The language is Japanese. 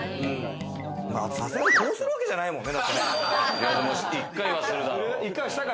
さすがに、こうするわけじゃないもんね。